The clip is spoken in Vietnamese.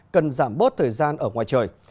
cần giảm bớt thời gian ở ngoài trời